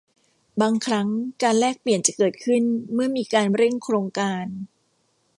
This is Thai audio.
บางครั้งการแลกเปลี่ยนจะเกิดขึ้นเมื่อมีการเร่งโครงการ